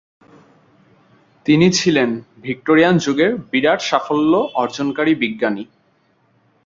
তিনি ছিলেন ভিক্টোরিয়ান যুগ এর বিরাট সাফল্য অর্জনকারী বিজ্ঞানী।